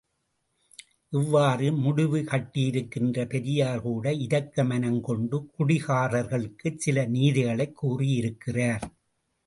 இவ்வாறு முடிவுகட்டியிருக்கின்ற பெரியார்கூட இரக்க மனங்கொண்டு, குடிகாரர்களுக்கு சில நீதிகளைக் கூறியிருக்கிறார்.